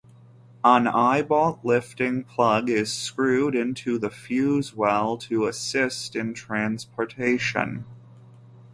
An eyebolt lifting plug is screwed into the fuze well to assist in transportation.